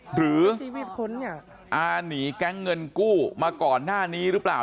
หรืออาหนีแก๊งเงินกู้มาก่อนหน้านี้หรือเปล่า